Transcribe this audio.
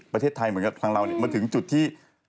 ประเทศไทยเหมือนกับทางเรามาถึงจุดที่